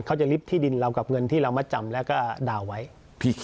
เขาจะลิฟต์ที่ดินเรากับเงินที่เรามาจำแล้วก็ดาวน์ไว้